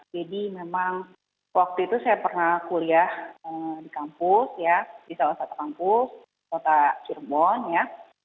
jadi memang waktu itu saya pernah kuliah di kampus ya di salah satu kampus kota cirebon ya